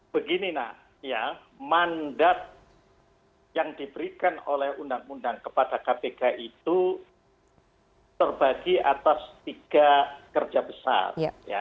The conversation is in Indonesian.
begini nak ya mandat yang diberikan oleh undang undang kepada kpk itu terbagi atas tiga kerja besar